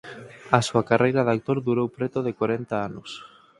A súa carreira de actor durou preto de corenta anos.